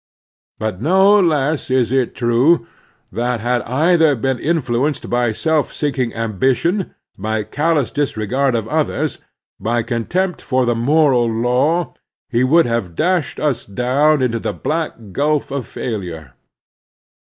But no less is it true that had either been influ enced by self seeking ambition, by callous dis regard of others, by contempt for the moral law, he would have dashed us down into the black gulf of failtu'e.